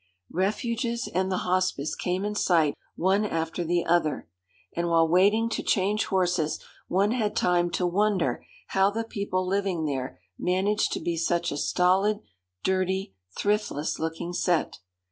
Refuges and the Hospice came in sight one after the other, and while waiting to change horses one had time to wonder how the people living there managed to be such a stolid, dirty, thriftless looking set.